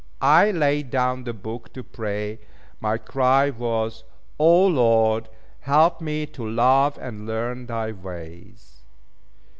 I laid down the book, to pray. My cry was "O, Lord, help me to love and learn thy ways."